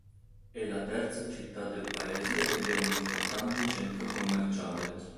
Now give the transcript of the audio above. È la terza città del paese ed è un importante centro commerciale.